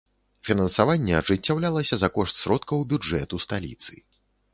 Фінансаванне ажыццяўлялася за кошт сродкаў бюджэту сталіцы.